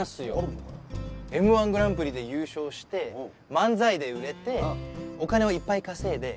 Ｍ−１グランプリで優勝して漫才で売れてお金をいっぱい稼いで。